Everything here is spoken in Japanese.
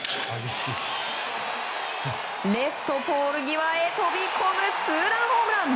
レフトポール際へ飛び込むツーランホームラン。